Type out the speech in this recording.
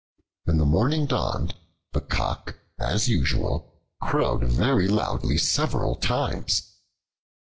When the morning dawned, the Cock, as usual, crowed very loudly several times.